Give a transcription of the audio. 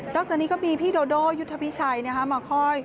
นอกจากนี้ก็มีพี่โดโดยุทธพิชัย